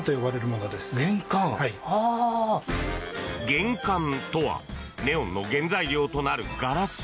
原管とはネオンの原材料となるガラス。